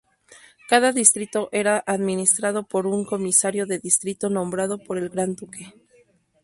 Cada distrito era administrado por un comisario de distrito, nombrado por el Gran Duque.